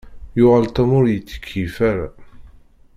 Yuɣal Tom ur ittkeyyif ara.